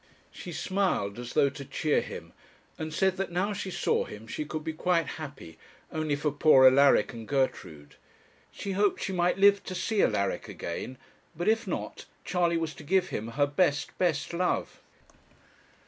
She smiled as though to cheer him, and said that now she saw him she could be quite happy, only for poor Alaric and Gertrude. She hoped she might live to see Alaric again; but if not, Charley was to give him her best best love.